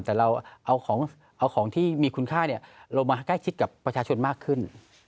แต่เราเอาของที่มีคุณค่าลงมาใกล้ชิดกับประชาชนมากขึ้น